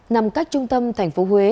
nằm cách trung tâm thành phố huế